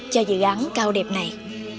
cho dự án cao đẹp này